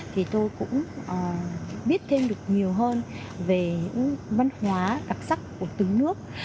thì tôi cũng biết thêm được nhiều hơn về văn hóa đặc sắc của từng nước